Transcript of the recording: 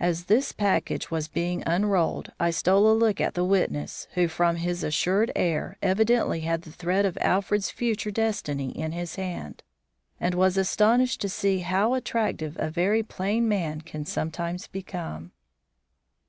As this package was being unrolled, I stole a look at the witness, who, from his assured air, evidently had the thread of Alfred's future destiny in his hand, and was astonished to see how attractive a very plain man can sometimes become.